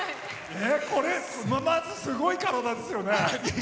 これ、まずすごいですよね。